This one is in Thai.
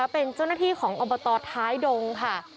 เป็นเจ้านาธิของอบตรท้ายดงค่ะ